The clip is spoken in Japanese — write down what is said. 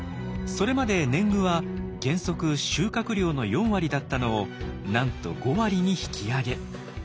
それまで年貢は原則収穫量の４割だったのをなんと５割に引き上げ。